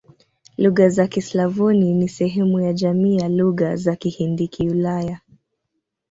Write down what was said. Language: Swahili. Lugha za Kislavoni ni sehemu ya jamii ya Lugha za Kihindi-Kiulaya.